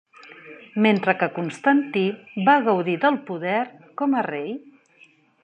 Mentre que Constantí va gaudir del poder com a rei.